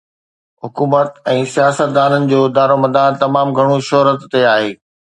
حڪومت ۽ سياستدانن جو دارومدار تمام گهڻو شهرت تي آهي.